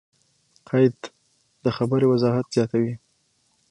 قید؛ د خبري وضاحت زیاتوي.